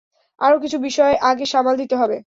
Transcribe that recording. আরো কিছু বিষয় আগে সামাল দিতে হবে।